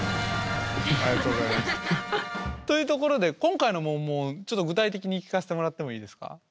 というところで今回のモンモンちょっと具体的に聞かせてもらってもいいですか？